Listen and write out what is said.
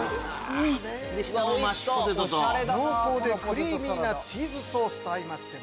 濃厚でクリーミーなチーズソースと相まって。